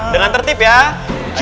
dengan tertib ya ayo